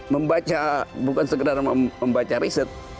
membaca bukan sekedar membaca riset